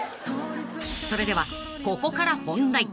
［それではここから本題］